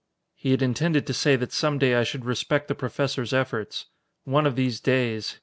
He had intended to say that some day I should respect the Professor's efforts. One of these days!